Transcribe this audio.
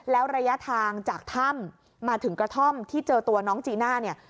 แล้วระยะทางจากถ้ำมาถึงกระท่อมที่เจอตัวน้องจีน่าเนี่ย